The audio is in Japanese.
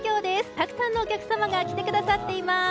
たくさんのお客様が来てくださっています。